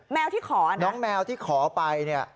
แมวที่ขอนะน้องแมวที่ขอไป